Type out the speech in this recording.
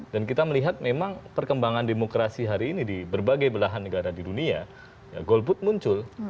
dan kita melihat memang perkembangan demokrasi hari ini di berbagai belahan negara di dunia golput muncul